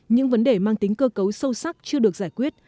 những vấn đề mang tính cơ cấu sâu sắc chưa được giải quyết